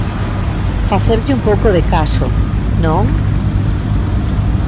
Facerlle un pouco de caso, ¿non?